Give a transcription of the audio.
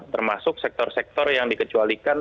termasuk sektor sektor yang dikecualikan